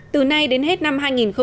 từ nay đến hết năm hai nghìn một mươi tám